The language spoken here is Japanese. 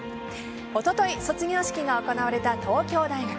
おととい卒業式が行われた東京大学。